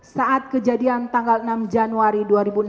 saat kejadian tanggal enam januari dua ribu enam belas